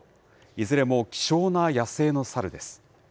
いずれも希少な野生の猿です。